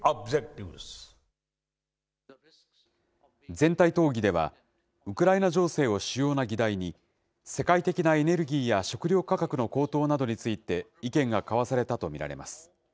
全体討議では、ウクライナ情勢を主要な議題に、世界的なエネルギーや食料価格の高騰などについて、意見が交わされたと見られます。